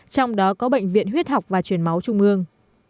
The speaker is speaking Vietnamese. trong đó có bệnh viện huyết học và truyền máu trung ương